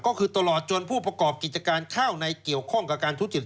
ก็คือตลอดจนผู้ประกอบกิจการข้าวในเกี่ยวข้องกับการทุจริต